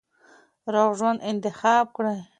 روغ ژوند انتخاب دی.